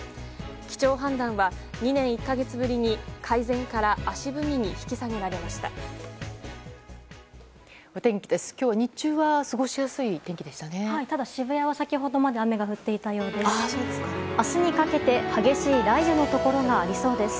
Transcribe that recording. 基調判断は２年１か月ぶりに改善から足踏みに引き下げられました。